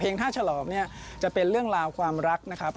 ท่าฉลอมเนี่ยจะเป็นเรื่องราวความรักนะครับ